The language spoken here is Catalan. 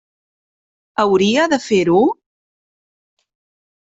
Hauria de fer-ho?